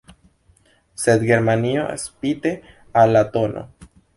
Sed Germanio spite al la tn.